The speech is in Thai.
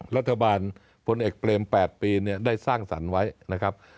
รัฐบาลพลเอกเปรม๘ปีได้สร้างสรรค์ไว้นะครับ